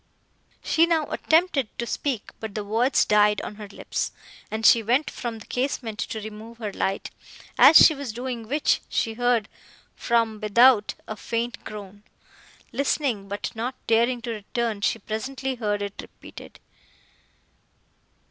She now attempted to speak, but the words died on her lips, and she went from the casement to remove her light; as she was doing which, she heard, from without, a faint groan. Listening, but not daring to return, she presently heard it repeated.